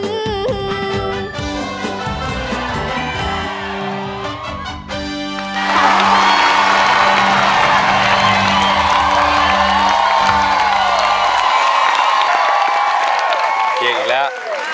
จริงแล้ว